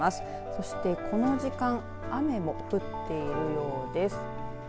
そして、この時間雨も降っているようです。